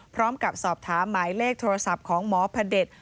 พร้อมกับสอบถามหมายเลขโทรศัพท์ของหมอพระเด็จ